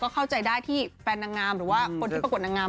เข้าใจได้ที่แฟนนางงามหรือว่าคนที่ปรากฏนางงาม